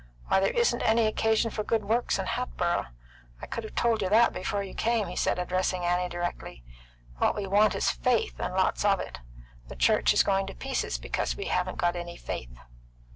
Why, there isn't any occasion for good works in Hatboro'. I could have told you that before you came," he said, addressing Annie directly. "What we want is faith, and lots of it. The church is going to pieces because we haven't got any faith."